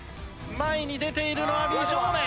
前に出ているのは美少年。